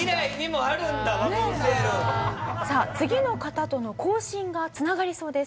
さあ次の方との交信が繋がりそうです。